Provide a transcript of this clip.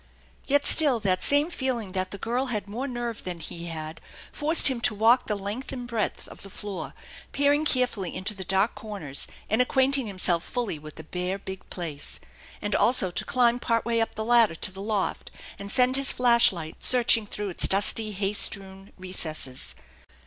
Yet still that same feeling that the girl had more nerve than he had forced him to walk the length and breadth of the floor, peering carefully into the dark corners and acquainting himself fully with the bare, big place; and also to climb part V^ay up the ladder to the loft and send his flash light searching through its dusty hay strewn recesses.